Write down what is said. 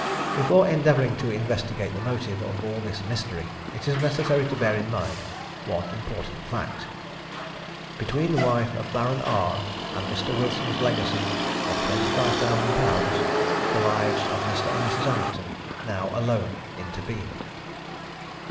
Before endeavouring to investigate the motive of all this mystery, it is necessary to bear in mind one important fact: Between the wife of Baron R and Mr. Wilson's legacy of 25,000_l_., _the lives of Mr. and Mrs. Anderton now alone intervened.